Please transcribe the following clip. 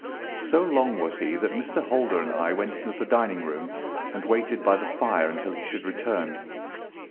So long was he that Mr. Holder and I went into the dining room and waited by the fire until he should return.